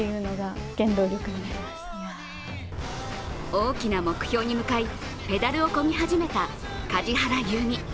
大きな目標に向かい、ペダルをこぎ始めた梶原悠未。